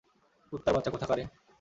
কুত্তার বাচ্চা কোথাকারে!